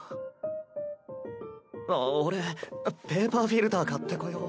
あっ俺ペーパーフィルター買ってこよう。